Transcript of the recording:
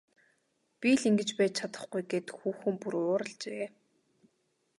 Би л ингэж байж чадахгүй гээд хүүхэн бүр уурлажээ.